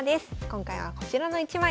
今回はこちらの一枚。